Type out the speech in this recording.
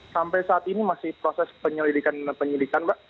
sampai saat ini masih proses penyelidikan penyelidikan pak